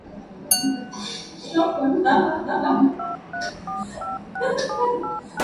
Miongoni ma walioteuliwa kuwa mabalozi ni mlimbwende wa Tanzania